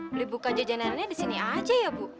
beli buka jajanan nya di sini aja ya bu